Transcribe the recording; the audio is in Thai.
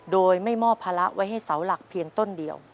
โดยไม่มอบภาระไว้ให้เสาหลักเพียงต้นเดียว